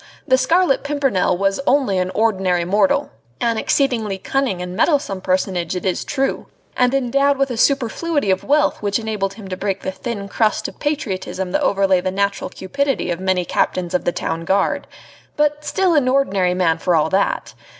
The Scarlet Pimpernel was only an ordinary mortal an exceedingly cunning and meddlesome personage it is true, and endowed with a superfluity of wealth which enabled him to break the thin crust of patriotism that overlay the natural cupidity of many Captains of the Town Guard but still an ordinary man for all that!